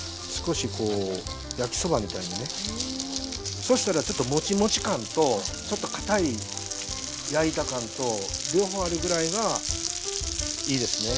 そしたらちょっとモチモチ感とちょっとかたい焼いた感と両方あるぐらいがいいですね。